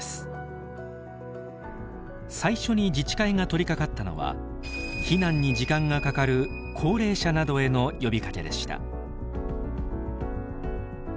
最初に自治会が取りかかったのは避難に時間がかかる高齢者などへの呼びかけでした。